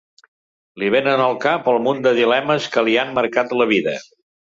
Li venen al cap el munt de dilemes que li han marcat la vida.